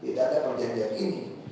tidak ada perjanjian kini